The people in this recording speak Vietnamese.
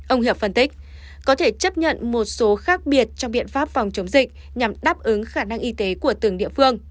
ông hiệp phân tích có thể chấp nhận một số khác biệt trong biện pháp phòng chống dịch nhằm đáp ứng khả năng y tế của từng địa phương